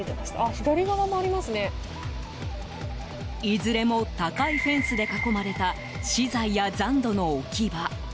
いずれも高いフェンスで囲まれた資材や残土の置き場。